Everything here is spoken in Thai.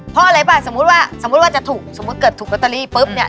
เพราะอะไรป่ะสมมุติว่าสมมุติว่าจะถูกสมมุติเกิดถูกลอตเตอรี่ปุ๊บเนี่ย